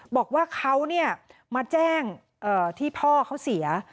บอกว่าเขามาแจ้งที่พ่อเขาเสีย